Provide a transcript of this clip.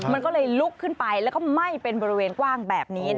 มันก็เลยลุกขึ้นไปแล้วก็ไหม้เป็นบริเวณกว้างแบบนี้